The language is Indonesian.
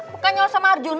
bukannya ulos sama arjuna